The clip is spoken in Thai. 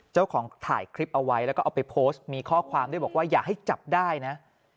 เจ้าของถ่ายคลิปเอาไว้แล้วก็เอาไปโพสต์มีข้อความด้วยบอกว่าอย่าให้จับได้นะ